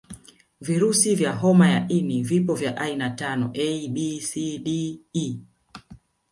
Virusi vya homa ya ini vipo vya aina tano A B C D E